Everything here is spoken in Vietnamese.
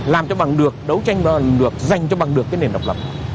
làm cho bằng được đấu tranh cho bằng được dành cho bằng được cái nền độc lập